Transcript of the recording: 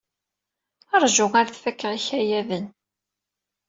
Ṛju ar d fakeɣ ikayaden.